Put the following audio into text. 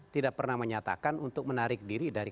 tidak pernah menyatakan untuk menarik diri dari